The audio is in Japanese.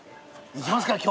いきますか今日も。